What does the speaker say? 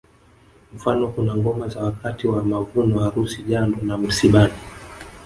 Mfano kuna ngoma za wakati wa mavuno harusi jando na msibani